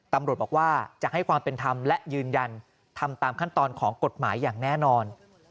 ตำรวจบอกว่าจะให้ความเป็นธรรมและยืนยันทำตามขั้นตอนของกฎหมายอย่างแน่นอน